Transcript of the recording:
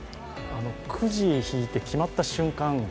くじを引いて決まった瞬間